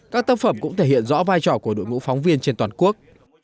các tác phẩm cũng thể hiện rõ vai trò của đội ngũ phóng viên trên toàn quốc